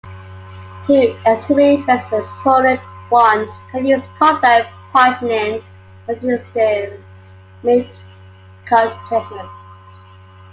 To estimate Rent's exponent, one can use top-down partitioning, as used in min-cut placement.